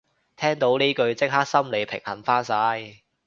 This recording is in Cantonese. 聽到呢句即刻心理平衡返晒